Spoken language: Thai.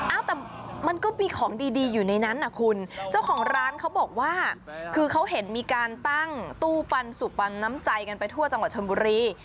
เอ้าแต่มันก็มีของดีดีอยู่ในนั้นนะคุณเจ้าของร้านเขาบอกว่าคือเขาเห็นมีการตั้งตู้ปันสุปันน้ำใจกันไปทั่วจังหวัดชนบุรี